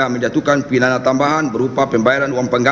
tiga menjatuhkan pidana tambahan berupa pembayaran uang perusahaan